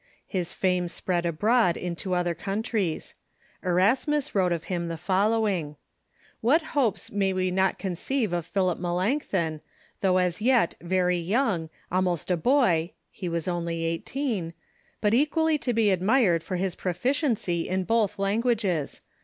His fame spread abroad into other countries. Erasmus wrote of him the following : "What hopes may we not conceive of Philip Melanchthon, though as yet very young, almost a boy [he was only eigh teen], but equally to be admired for his proficiency in both lan guages